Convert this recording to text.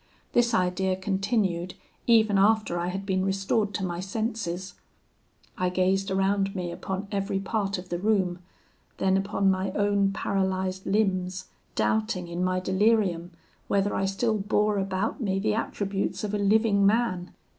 This idea continued even after I had been restored to my senses. I gazed around me upon every part of the room, then upon my own paralysed limbs, doubting, in my delirium, whether I still bore about me the attributes of a living man.